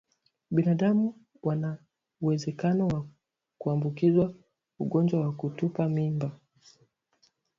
Binadamu wana uwezekano wa kuambukizwa ugonjwa wa kutupa mimba